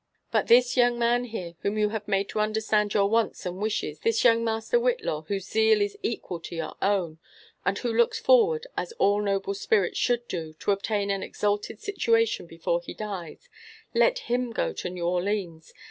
But this young man here, whom you have made to understand your wants and wishes, this young master Whillaw, whose zeal is equal to your own, and who looks forward, as all noble spirits should do, to obtain an exalted si tuation before he dies,— let him go to New Orleans.